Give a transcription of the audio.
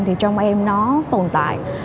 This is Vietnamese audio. thì trong em nó tồn tại